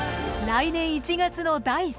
来年１月の第３集。